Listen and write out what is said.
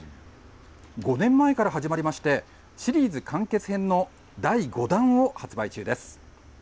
５年前から始まりまして、シリーズ完結編の第５弾を発売中です。